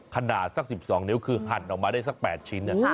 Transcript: ขนาดสัก๑๒นิ้วคือหั่นออกมาได้สัก๘ชิ้น